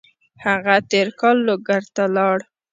هغه تېر کال لوګر ته لاړ.